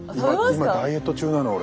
今ダイエット中なの俺。